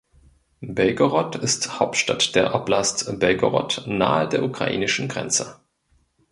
Belgorod ist Hauptstadt der Oblast Belgorod nahe der ukrainischen Grenze.